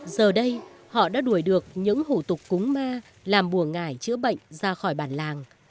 giờ đây họ đã đuổi được những hủ tục cúng ma làm bùa ngải chữa bệnh ra khỏi bản làng